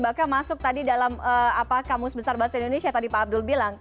bahkan masuk tadi dalam kamus besar bahasa indonesia tadi pak abdul bilang